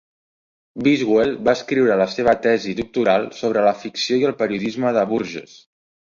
Biswell va escriure la seva tesi doctoral sobre la ficció i el periodisme de Burgess.